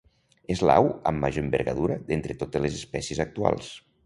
És l'au amb major envergadura d'entre totes les espècies actuals.